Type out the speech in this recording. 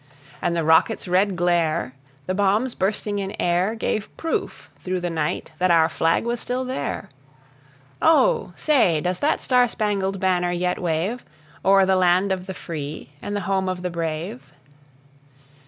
And the rocket's red glare, the bombs bursting in air, Gave proof through the night that our flag was still there; O! say, does that star spangled banner yet wave O'er the land of the free, and the home of the brave?